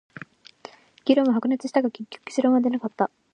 議論は白熱したが、結局結論は出なかった。